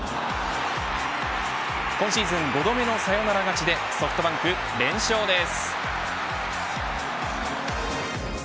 今シーズン５度目のサヨナラ勝ちでソフトバンク連勝です。